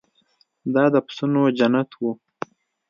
دا د پسونو جنت و.